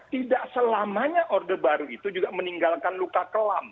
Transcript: tidak selamanya orde baru itu juga meninggalkan luka kelam